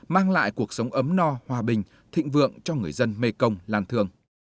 mang lại cuộc sống ấm no hòa bình thịnh vượng cho người dân mekong lan thương